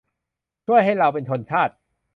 ช่วยให้เราเป็นชนชาติ